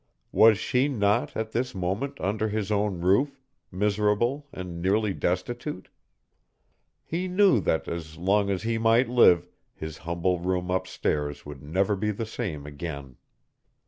Was she not at this moment under his own roof, miserable and nearly destitute? He knew that, as long as he might live, his humble room up stairs would never be the same again.